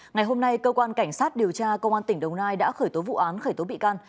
ngày hôm nay cơ quan cảnh sát điều tra công an tỉnh đồng nai đã khởi tố vụ án khởi tố bị can